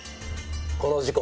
この事故。